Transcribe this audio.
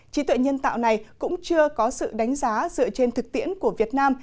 trí tuệ nhân tạo này cũng chưa có sự đánh giá dựa trên thực tiễn của việt nam